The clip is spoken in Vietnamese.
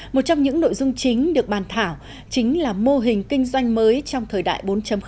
một trong những nội dung chính được bàn thảo chính là mô hình kinh doanh mới trong thời đại bốn